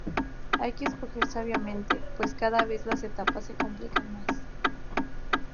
Hay que escoger sabiamente, pues cada vez las etapas se complican más.